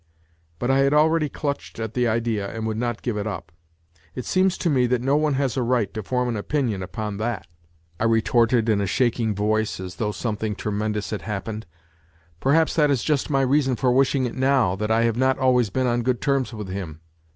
But I had already clutched at the idea and would not give it up. " It seems to me that no one has a right to form an opinion 100 NOTES FROM UNDERGROUND upon that," I retorted in a shaking voice, as though something tremendous had happened. " Perhaps that is just my reason for wishing it now, that I have not always been on good terms with him."